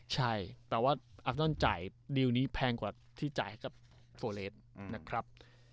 ใช่แต่ว่าอัฟนอนจ่ายดิวนี้แพงกว่าที่จ่ายให้กับโฟเลสนะครับ